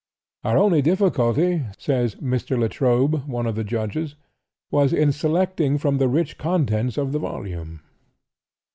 "Our only difficulty," says Mr. Latrobe, one of the judges, "was in selecting from the rich contents of the volume."